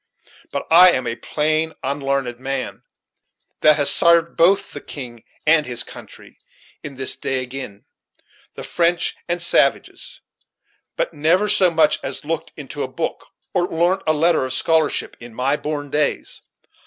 But I am a plain unlarned man, that has sarved both the king and his country, in his day, agin' the French and savages, but never so much as looked into a book, or larnt a letter of scholarship, in my born days.